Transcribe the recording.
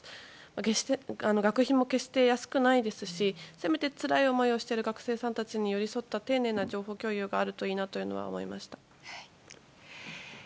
決して学費も安くないですしせめて、つらい思いをしている学生さんたちに寄り添った丁寧な情報共有があるといいと思いました。